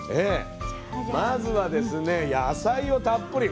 まずはですね野菜をたっぷり。